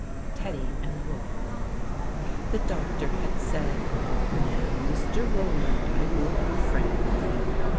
TEDDY AND THE WOLF THE Doctor had said, " Now, Mr. Rowland, I will be frank with you.